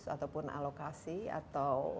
ataupun alokasi atau